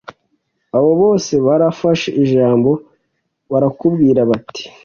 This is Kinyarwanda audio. Abo bose bafashe ijambo barakubwira bati